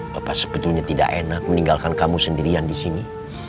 bapak sebetulnya tidak enak meninggalkan kamu sendirian disini